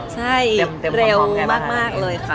ใช่เร็วมากเลยค่ะ